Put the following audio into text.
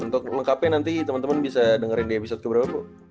untuk lengkapnya nanti temen temen bisa dengerin di episode ke berapa po